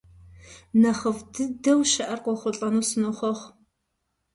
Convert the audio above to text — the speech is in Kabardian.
Нэхъыфӏ дыдэу щыӏэр къохъулӏэну сынохъуэхъу.